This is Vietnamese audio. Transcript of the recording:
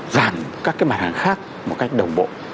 giảm các cái mặt hàng khác một cách đồng bộ